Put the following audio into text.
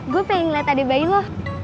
gue pengen ngeliat adik bayi lu